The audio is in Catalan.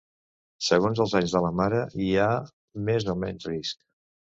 Segons els anys de la mare hi ha més o menys risc.